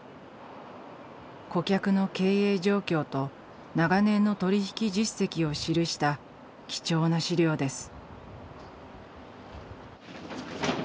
顧客の経営状況と長年の取り引き実績を記した貴重な資料です。